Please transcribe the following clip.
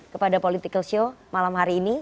kepada political show malam hari ini